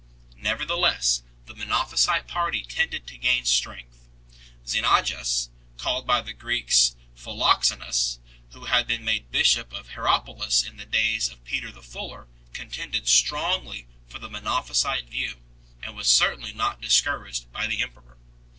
Nevertheless the Monophysite party tended to gain strength. Xenajas, called by the Greeks Philoxenus 3 , who had been made bishop of Hierapolis in the days of Peter the Fuller, contended strongly for the Monophysite view, and was certainly not discouraged by the emperor.